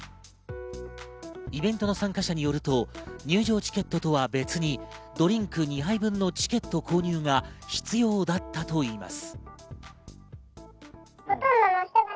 イベントの参加者によると、入場チケットとは別にドリンク２杯分のチケット購入が必要だったといいます。